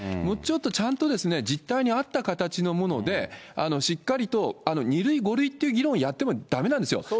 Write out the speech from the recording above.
もうちょっとちゃんと実態に合った形のもので、しっかりと２類５類という議論をやってもだめなんですよ。